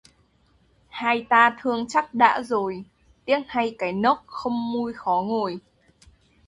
Hai ta thương chắc đã rồi, tiếc thay cái nôốc không mui khó ngồi